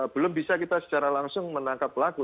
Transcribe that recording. belum bisa kita secara langsung menangkap pelaku